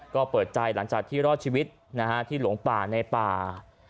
ก็เปิดใจหลังจากที่รอดชีวิตที่หลงป่าในป่า